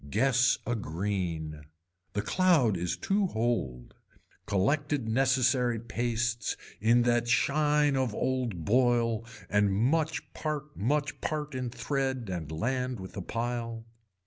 Guess a green. The cloud is too hold, collected necessary pastes in that shine of old boil and much part much part in thread and land with a pile.